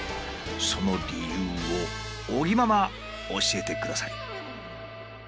その理由を尾木ママ教えてください。